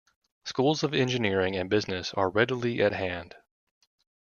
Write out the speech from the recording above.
Schools of Engineering and Business are readily at hand.